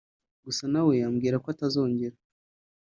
gusa nawe ambwira ko atazongera